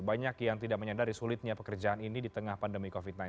banyak yang tidak menyadari sulitnya pekerjaan ini di tengah pandemi covid sembilan belas